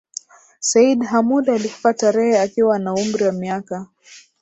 Seyyid Hamoud alikufa tarehe akiwa na umri wa miaka